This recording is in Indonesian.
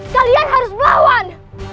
kalian harus melawan